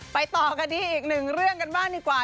ต่อกันที่อีกหนึ่งเรื่องกันบ้างดีกว่า